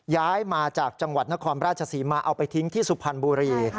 ย้ายมาจากจังหวัดนครราชศรีมาเอาไปทิ้งที่สุพรรณบุรี